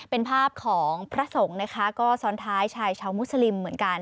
เป็นภาพของพระสงฆ์นะคะก็ซ้อนท้ายชายชาวมุสลิมเหมือนกัน